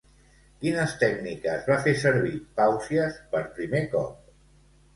Quines tècniques va fer servir Pàusies per primer cop?